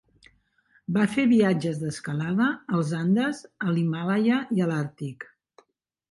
Va fer viatges d'escalada als Andes, a l'Himàlaia i a l'Àrtic.